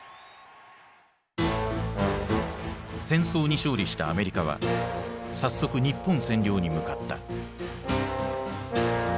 戦争に勝利したアメリカは早速日本占領に向かった。